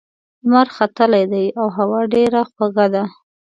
لمر ختلی دی او هوا ډېره خوږه ده.